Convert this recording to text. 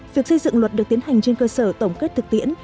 việc xây dựng luật được tiến hành trên cơ sở tổng kết thực tiễn